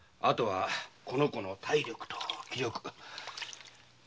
あとはこの子の体力と気力。